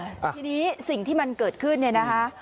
ทีนี้สิ่งที่มันเกิดขึ้นเนี่ยนะคะ